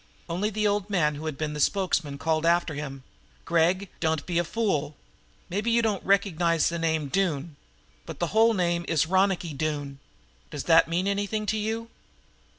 Only the old man who had been the spokesman called after him: "Gregg, don't be a fool. Maybe you don't recognize the name of Doone, but the whole name is Ronicky Doone. Does that mean anything to you?"